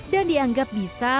dan dianggap bisa